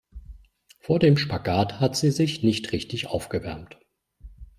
Vor dem Spagat hat sie sich nicht richtig aufgewärmt.